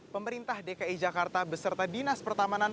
pemerintah dki jakarta beserta dinas pertamanan